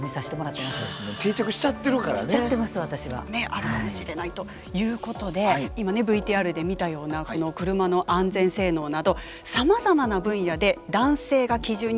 あるかもしれないということで今ねＶＴＲで見たようなこの車の安全性能などさまざまな分野で男性が基準になってきたのはなぜなのか。